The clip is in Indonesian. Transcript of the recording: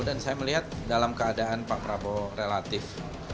dan saya melihat dalam keadaan pak prabowo relatif